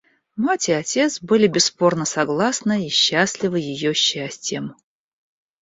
Мать и отец были бесспорно согласны и счастливы ее счастьем.